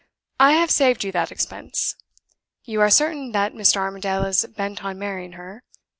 I have saved you that expense. You are certain that Mr. Armadale is bent on marrying her.